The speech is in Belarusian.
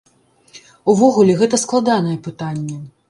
Увогуле, гэта складанае пытанне.